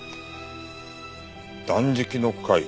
「断食の会」？